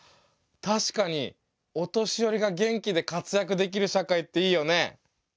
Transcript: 確かにお年寄りが元気で活躍できる社会っていいよね。